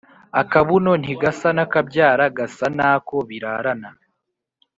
Akabuno ntigasa n’akabyara gasa nako birarana.